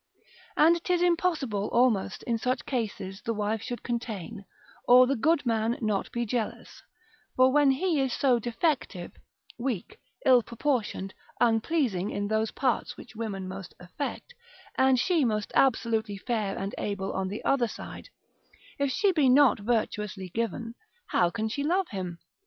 And 'tis impossible almost in such cases the wife should contain, or the good man not be jealous: for when he is so defective, weak, ill proportioned, unpleasing in those parts which women most affect, and she most absolutely fair and able on the other side, if she be not very virtuously given, how can she love him?